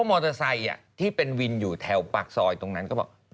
มอเตอร์ไซค์ที่เป็นวินอยู่แถวปากซอยตรงนั้นก็บอก